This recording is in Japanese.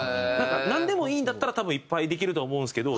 なんでもいいんだったら多分いっぱいできるとは思うんですけど。